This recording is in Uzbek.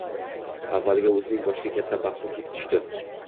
Avvaliga o`zining boshiga katta baxtsizlik tushdi